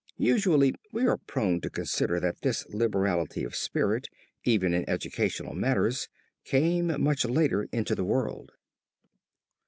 Usually we are prone to consider that this liberality of spirit, even in educational matters, came much later into the world.